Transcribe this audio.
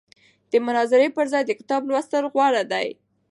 د مناظرې پر ځای د کتاب لوستل غوره دي.